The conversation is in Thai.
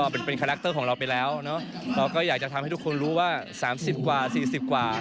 เป็นคาแรคเตอร์ของเราไปแล้วเราก็อยากจะทำให้ทุกคนรู้ว่าสามสิบกว่าสี่สิบกว่า